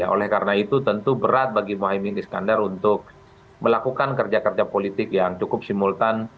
oleh karena itu tentu berat bagi mohaimin iskandar untuk melakukan kerja kerja politik yang cukup simultan